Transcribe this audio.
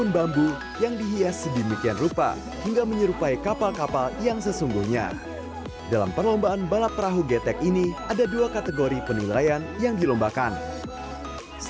jadi untuk memberikan kreativitas untuk mengembangkan wisata yang ada di desa karangdoro mas